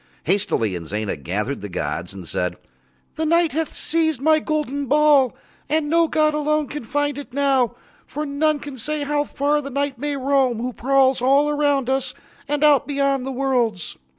Hastily Inzana gathered the gods and said: "The Night hath seized my golden ball and no god alone can find it now, for none can say how far the Night may roam, who prowls all round us and out beyond the worlds."